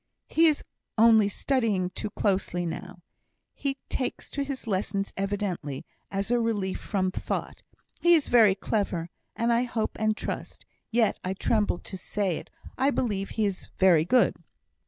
"He is only studying too closely now; he takes to his lessons evidently as a relief from thought. He is very clever, and I hope and trust, yet I tremble to say it, I believe he is very good."